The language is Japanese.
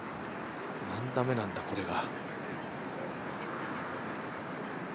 何打目なんだ、これが。